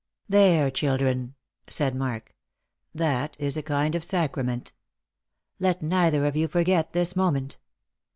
" There, children," said Mar 1 .," that is a kind of sacrament Let neither of you forget this i oment.